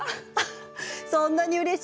そんなにうれしい？